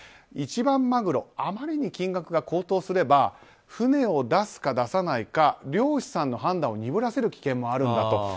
一番マグロあまりに金額が高騰すれば船を出すか出さないか漁師さんの判断を鈍らせる危険もあるんだと。